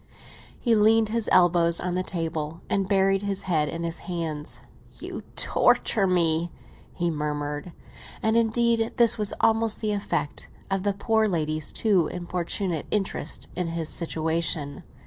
He leaned his elbows on the table and buried his head in his hands. "You torture me!" he murmured. And, indeed, this was almost the effect of the poor lady's too importunate interest in his situation.